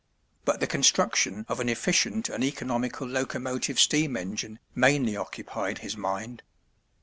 But the construction of an efficient and economical locomotive steam engine mainly occupied his mind.